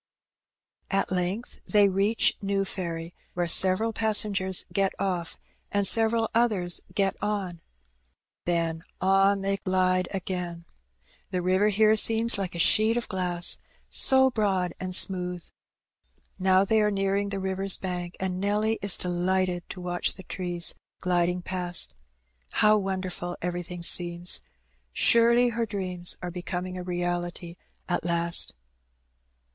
At length they reach New Ferry, where several passengers get off and several others get on; then on they glide again. The river here seems like a sheet of glass, so broad and smooth. Now they are nearing the river's bank, and Nelly is delighted to watch the trees gliding past. How wonderful everything seems ! Surely her dreams are becoming a reality at last.